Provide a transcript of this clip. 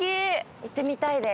行ってみたいです。